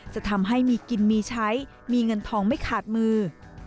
จะทำให้มีกินมีใช้มีเงินทองไม่ขาดมือ